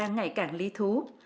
ngày càng ly thú